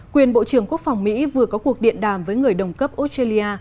quyền bộ trưởng quốc phòng mỹ vừa có cuộc điện đàm với người đồng cấp australia